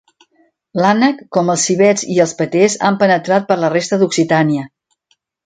L'ànec, com els civets i els patés, han penetrat per la resta d'Occitània.